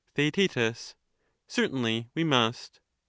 TheaeU Certainly we must.